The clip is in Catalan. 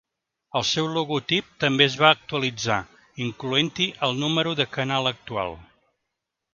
El seu logotip també es va actualitzar incloent-hi el número de canal actual.